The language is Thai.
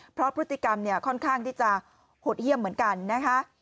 เพราะพฤติกรรมเนี่ยค่อนข้างที่จะหดเยี่ยมเหมือนกันนะคะ